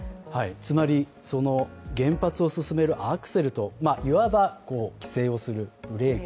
つまり、原発を進めるアクセルといわば規制をするブレーキ